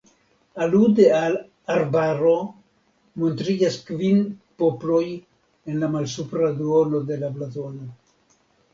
Alude al "Arbaro" montriĝas kvin poploj en la malsupra duono de la blazono.